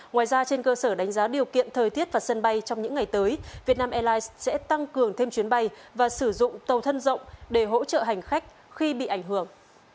ngoài ra trên cơ sở đánh giá điều kiện thời tiết và sân bay trong những ngày tới việt nam airlines sẽ tăng cường thêm chuyến bay và sử dụng tàu thân rộng để hỗ trợ hành khách khi bị ảnh hưởng